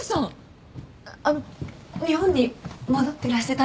あの日本に戻っていらしてたんですか？